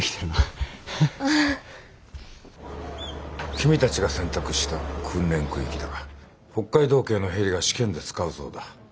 君たちが選択した訓練空域だが北海道警のヘリが試験で使うそうだ。